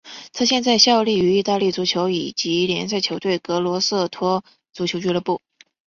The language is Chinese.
他现在效力于意大利足球乙级联赛球队格罗瑟托足球俱乐部。